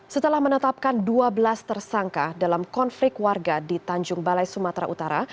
setelah menetapkan dua belas tersangka dalam konflik warga di tanjung balai sumatera utara